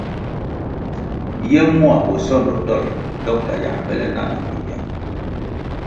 Ye mua bosondo dolʼ dokta yā bele na na mabyang.